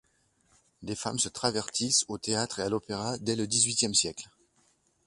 Des femmes se travestissent au théâtre et à l'opéra dès le dix-huitième siècle.